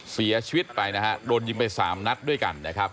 เสียชีวิตไปนะฮะโดนยิงไปสามนัดด้วยกันนะครับ